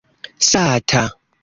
sata